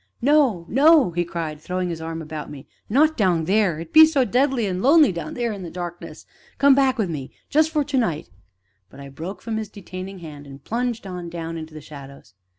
"No, no!" he cried, throwing his arm about me, "not down theer it be so deadly an' lonely down theer in the darkness. Come back wi' me just for to night." But I broke from his detaining hand, and plunged on down into the shadows.